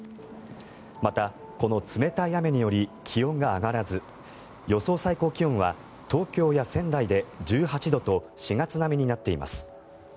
また、この冷たい雨により気温が上がらず予想最高気温は東京や仙台で１８度と４月並みになっています。